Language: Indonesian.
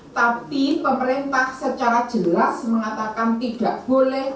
tapi pemerintah secara jelas mengatakan tidak boleh